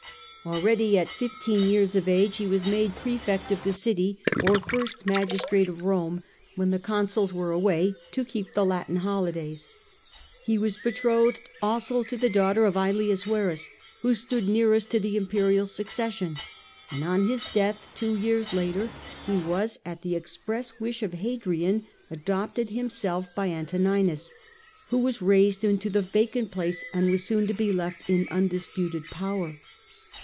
Already at fifteen years of age he was made prefect of the city, or first magistrate of Rome, when the consuls were away to keep the Latin holidays ; he was betrothed also to the daughter of ydius Verus, who stood nearest to the imperial succession, and on his death two years later he was, at the express wish of Hadrian, adopted himself by Antoninus, who was raised into the vacant place, and was soon to be left in undisputed power.